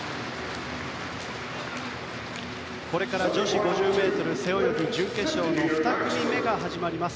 これから女子５０ｍ背泳ぎ準決勝の２組目が始まります。